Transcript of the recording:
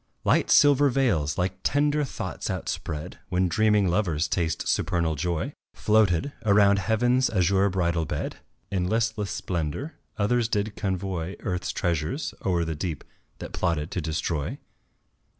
Light silver veils, like tender thoughts outspread When dreaming lovers taste supernal joy, Floated around Heaven's azure bridal bed In listless splendour; others did convoy Earth's treasures o'er the deep that plotted to destroy.